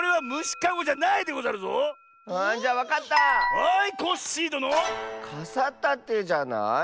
かさたてじゃない？